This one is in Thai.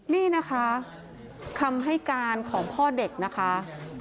นี่นะคะคำให้การของพ่อเด็กนะคะ